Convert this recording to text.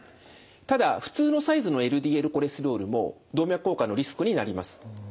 ただ普通のサイズのＬＤＬコレステロールも動脈硬化のリスクになります。